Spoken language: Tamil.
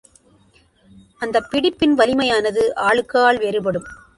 அந்தப் பிடிப்பின் வலிமையானது, ஆளுக்கு ஆள் வேறுபடும்.